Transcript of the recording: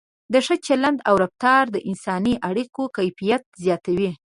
د ښه چلند او رفتار د انساني اړیکو کیفیت زیاتوي.